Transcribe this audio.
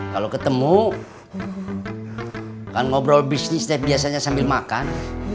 kalau ketemu kan ngobrol bisnis biasanya sambil makan